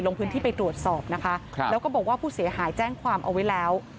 ลงพื้นที่ไปตรวจสอบนะคะแล้วก็บอกว่าผู้เสียหายแจ้งความเอาไว้แล้ว